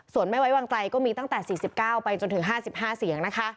ส่วนไม่ไว้วางใจก็มีตั้งแต่๔๙ไปจนถึง๕๕เสียงนะคะ